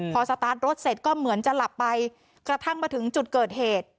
พอสตาร์ทรถเสร็จก็เหมือนจะหลับไปกระทั่งมาถึงจุดเกิดเหตุ